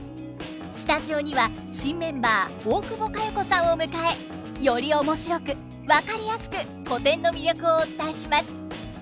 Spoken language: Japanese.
スタジオには新メンバー大久保佳代子さんを迎えより面白く分かりやすく古典の魅力をお伝えします。